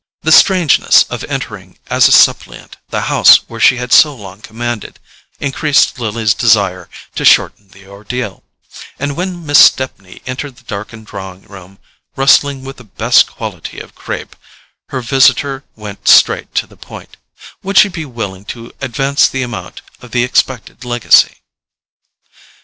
The strangeness of entering as a suppliant the house where she had so long commanded, increased Lily's desire to shorten the ordeal; and when Miss Stepney entered the darkened drawing room, rustling with the best quality of crape, her visitor went straight to the point: would she be willing to advance the amount of the expected legacy?